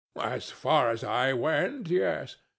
As far as I went, yes.